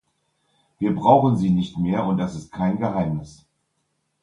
Wir brauchen sie nicht mehr, und das ist kein Geheimnis.